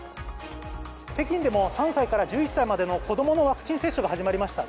北京でも３歳から１１歳までの子供のワクチン接種が始まりました。